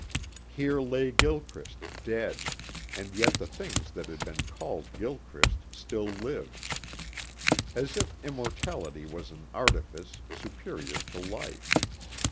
Here lay Gilchrist dead, and yet the things that had been called Gilchrist still lived. As if immortality was an artifice, superior to life.